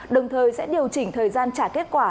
đồng thời sẽ điều chỉnh thời gian trả kết quả